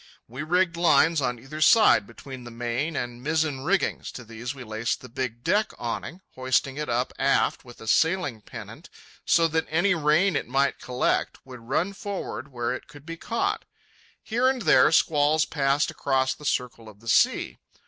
We rigged lines on either side between the main and mizzen riggings. To these we laced the big deck awning, hoisting it up aft with a sailing pennant so that any rain it might collect would run forward where it could be caught. Here and there squalls passed across the circle of the sea.